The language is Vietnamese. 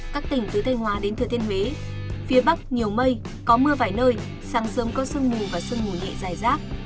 các tỉnh từ thanh hóa đến thừa thiên huế phía bắc nhiều mây có mưa vài nơi sáng sớm có sơn mù và sơn mù nhẹ rải rác